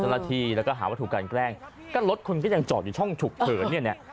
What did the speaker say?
เจ้าหน้าที่แล้วก็หาวัตถุการแกล้งก็รถคุณก็ยังจอดอยู่ช่องฉุกเฉินเนี่ยเนี่ย